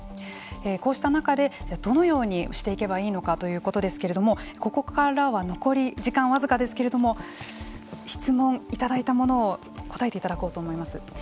こうした中でどのようにしていけばいいのかということですけれどもここからは残り時間僅かですけれども質問いただいたものを答えていただこうと思います。